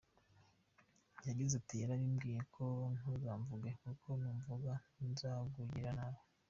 Yagize ati “Yarambwiye ngo ntuzamvuge kuko numvuga nzakugirira nabi.